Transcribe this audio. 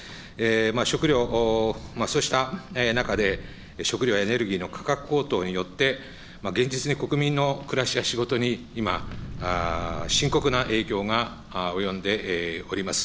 食料、そうした中で、食料やエネルギーの価格高騰によって、現実に国民の暮らしや仕事に今、深刻な影響が及んでおります。